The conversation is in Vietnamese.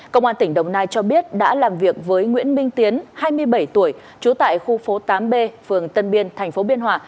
công an tỉnh đồng nai cho biết đã làm việc với nguyễn minh tiến hai mươi bảy tuổi trú tại khu phố tám b phường tân biên tp biên hòa